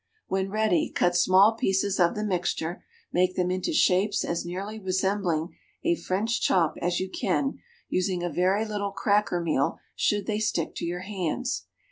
When ready, cut small pieces of the mixture, make them into shapes as nearly resembling a French chop as you can, using a very little cracker meal should they stick to your hands.